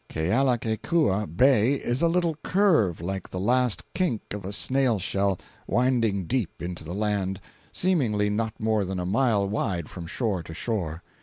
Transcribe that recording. Kealakekua Bay is a little curve like the last kink of a snail shell, winding deep into the land, seemingly not more than a mile wide from shore to shore.